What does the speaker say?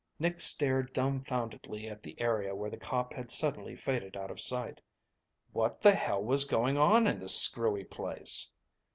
Nick stared dumbfoundedly at the area where the cop had suddenly faded out of sight. What the hell was going on in this screwy place?